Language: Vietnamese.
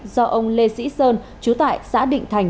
do ông lê sĩ sơn chú tại xã định thành